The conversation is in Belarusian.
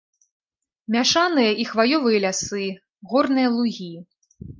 Мяшаныя і хваёвыя лясы, горныя лугі.